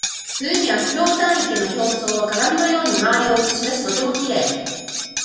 冬には、ひょうたん池の表層は鏡のように周りを写し出しとてもきれい。